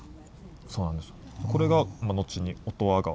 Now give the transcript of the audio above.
そうなんですよ。